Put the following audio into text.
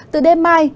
từ đêm mai